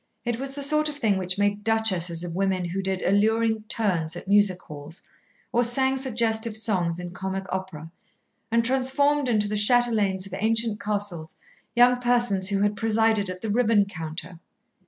It was the sort of thing which made duchesses of women who did alluring "turns" at music halls or sang suggestive songs in comic opera, and transformed into the chatelaines of ancient castles young persons who had presided at the ribbon counter.